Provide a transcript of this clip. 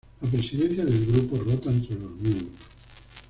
La presidencia del grupo rota entre los miembros.